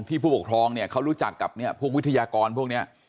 ผู้ปกครองเนี่ยเขารู้จักกับพวกวิทยากรพวกนี้